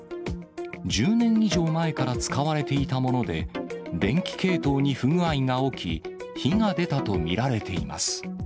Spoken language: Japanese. １０年以上前から使われていたもので、電気系統に不具合が起き、火が出たと見られています。